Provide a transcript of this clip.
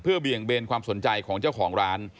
เบี่ยงเบนความสนใจของเจ้าของร้าน